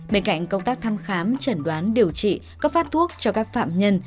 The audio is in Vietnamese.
bên cạnh công tác thăm khám chẩn đoán điều trị cấp phát thuốc cho các phạm nhân